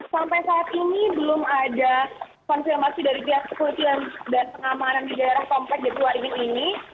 sampai saat ini belum ada konfirmasi dari pihak kepolisian dan pengamanan di daerah komplek jatua ini